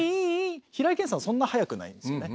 平井堅さんはそんな速くないんですよね。